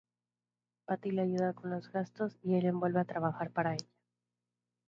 Patty le ayuda con los gastos y Ellen vuelve a trabajar para ella.